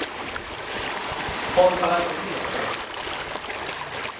Pode falar comigo se quere.